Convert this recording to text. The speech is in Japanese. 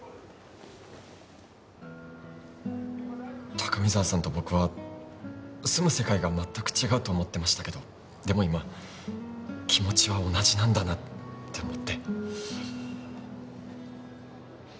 高見沢さんと僕は住む世界が全く違うと思ってましたけどでも今気持ちは同じなんだなって思って。